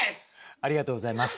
ありがとうございます。